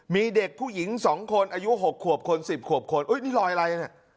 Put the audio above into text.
มีเด็กผู้หญิงสองคนอายุหกขวบคนสิบขวบคนอุ๊ยนี่ลอยอะไรอ่ะเนี่ย